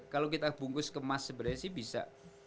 kalau kita bungkus kemas sebenarnya sih bisa